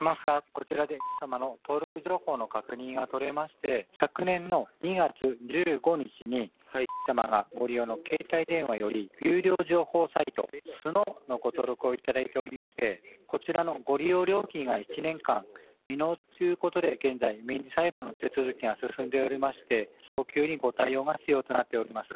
こちらで×××様の登録情報の確認が取れまして、昨年の２月１５日に×××様がご利用の携帯電話より、有料情報サイト、スノーのご登録をいただいておりまして、こちらのご利用料金が１年間未納ということで、現在、民事裁判の手続きが進んでおりまして、早急にご対応が必要となっております。